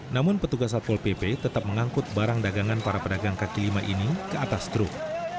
namun petugas satpol pp tetap mengangkut barang dagangan para pedagang kaki lima ini ke atas truk